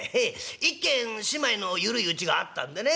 １軒締まりの緩いうちがあったんでね